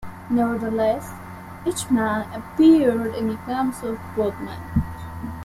Nevertheless, Eichmann appeared in the accounts of both men.